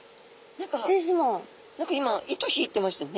何か今糸引いてましたよね。